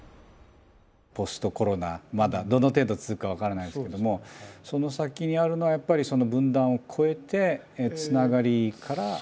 ポストコロナまだどの程度続くか分からないんですけどもその先にあるのはやっぱりその分断を越えて繋がりから。